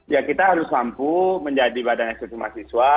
ya kita harus mampu menjadi badan eksekutif mahasiswa